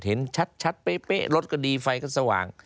เห็นชัดเป๊ะรถก็ดีไฟก็สว่าง